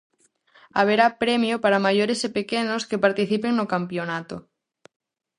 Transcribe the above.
Haberá premio para maiores e pequenos que participen no campionato.